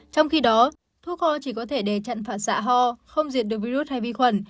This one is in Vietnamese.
trong khi đó thuốc kho chỉ có thể để chặn phản xạ ho không diệt được virus hay vi khuẩn